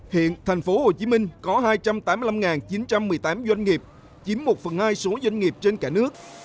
hiện tp hcm có hai trăm tám mươi năm chín trăm một mươi tám doanh nghiệp chiếm một phần hai số doanh nghiệp trên cả nước